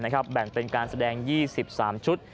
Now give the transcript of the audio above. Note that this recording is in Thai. แสดง๔๗ลำแบ่งเป็นการแสดง๒๓ชุด